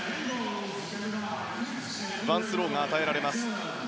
ワンスローが与えられます。